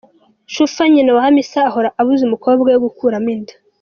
Shuffa nyina wa Hamisa ahora abuza umukobwa we gukuramo inda.